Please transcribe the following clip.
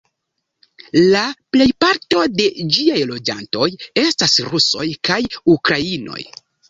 La plejparto de ĝiaj loĝantoj estas rusoj kaj ukrainoj.